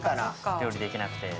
料理できなくて。